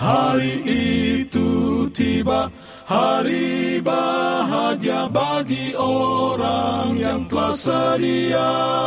hari itu tiba hari bahagia bagi orang yang telah sedia